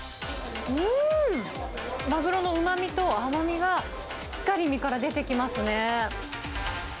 マグロのうまみと甘みが、しっかり身から出てきますね。